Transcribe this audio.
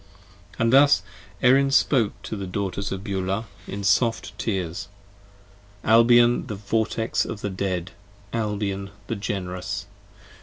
And thus Erin spoke to the Daughters of Beulah, in soft tears. Albion the Vortex of the Dead! Albion the Generous!